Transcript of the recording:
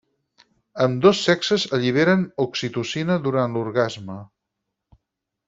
Ambdós sexes alliberen oxitocina durant l'orgasme.